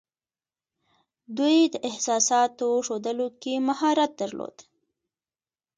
دوی د احساساتو ښودلو کې مهارت درلود